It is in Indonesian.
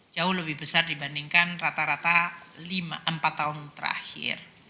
jauh lebih besar dibandingkan rata rata lima empat tahun terakhir